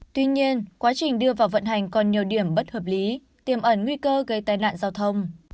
tuy nhiên quá trình đưa vào vận hành còn nhiều điểm bất hợp lý tiềm ẩn nguy cơ gây tai nạn giao thông